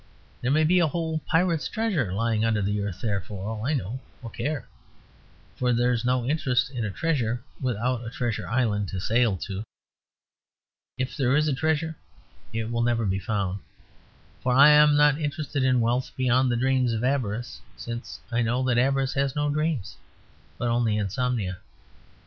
There may be a whole pirate's treasure lying under the earth there, for all I know or care; for there is no interest in a treasure without a Treasure Island to sail to. If there is a treasure it will never be found, for I am not interested in wealth beyond the dreams of avarice since I know that avarice has no dreams, but only insomnia.